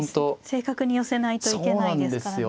正確に寄せないといけないですからね。